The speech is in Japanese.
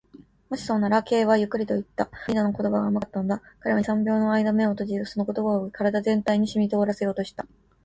「もしそうなら」と、Ｋ はゆっくりといった。フリーダの言葉が甘かったのだ。彼は二、三秒のあいだ眼を閉じ、その言葉を身体全体にしみとおらせようとした。